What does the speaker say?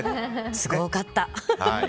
すごかった。